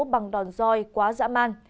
bằng đòn roi quá dã man